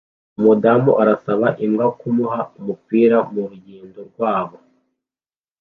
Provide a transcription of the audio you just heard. Umudamu arasaba imbwa kumuha umupira murugendo rwabo